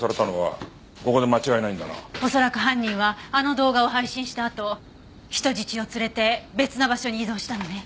恐らく犯人はあの動画を配信したあと人質を連れて別の場所に移動したのね。